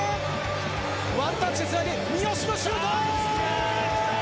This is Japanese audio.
ワンタッチつないで三好のシュート！